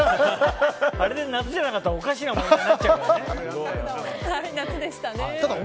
あれで夏じゃなかったらおかしな問題になっちゃうから。